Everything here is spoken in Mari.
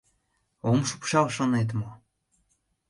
Ом шупшал, шонет мо?